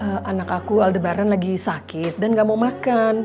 eh anak aku aldebaran lagi sakit dan nggak mau makan